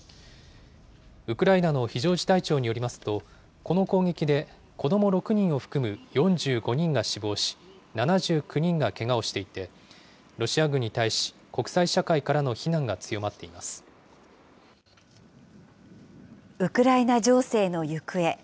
ウクライナの非常事態庁によりますと、この攻撃で子ども６人を含む４５人が死亡し、７９人がけがをしていて、ロシア軍に対し、国際社会からの非難が強まっていまウクライナ情勢の行方。